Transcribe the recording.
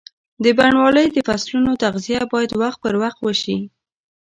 د بڼوالۍ د فصلونو تغذیه باید وخت پر وخت وشي.